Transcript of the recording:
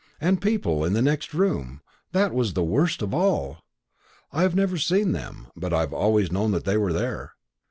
And people in the next room that was the worst of all. I have never seen them, but I have always known that they were there.